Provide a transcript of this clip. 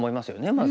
まず。